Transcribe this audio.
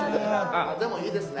でもいいですね。